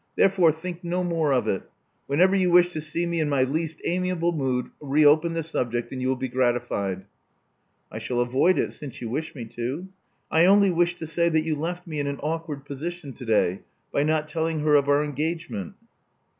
Therefore think no more of it. Whenever you wish to see me in my least amiable mood, re open the subject, and you will be gratified. '' I shall avoid it since you wish me to. I only wished to say that you left me in an awkward position to day by not telling her of our engagement.